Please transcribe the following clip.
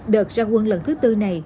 đợt ra quân lần thứ bốn này